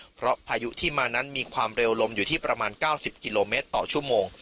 เพราะพายุที่มานั้นมีความเร็วลมอยู่ที่ประมาณ๙๐กิโลเมตรต่อชั่วโมง